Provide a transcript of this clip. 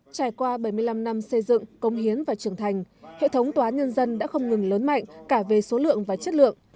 trải qua bảy mươi năm năm xây dựng công hiến và trưởng thành hệ thống tòa án nhân dân đã không ngừng lớn mạnh cả về số lượng và chất lượng